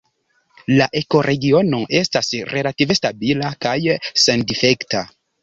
La ekoregiono estas relative stabila kaj sendifekta.